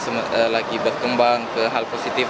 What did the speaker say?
semang ke hal positif